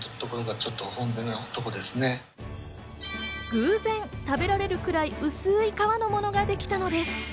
偶然食べられるくらい薄い皮のものができたのです。